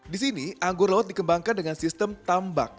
di sini anggur laut dikembangkan dengan sistem tambak